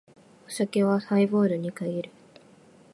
お酒はハイボールに限る。